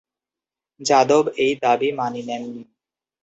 যাদব এই দাবী মানি নেন নি।